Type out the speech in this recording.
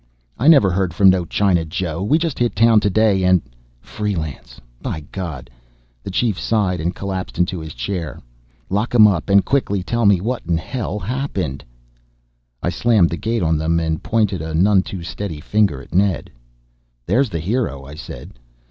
"I never heard from no China Joe. We just hit town today and " "Freelance, by God," the Chief sighed and collapsed into his chair. "Lock 'em up and quickly tell me what in hell happened." I slammed the gate on them and pointed a none too steady finger at Ned. "There's the hero," I said.